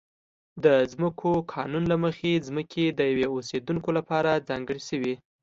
د ځمکو قانون له مخې ځمکې د نویو اوسېدونکو لپاره ځانګړې شوې.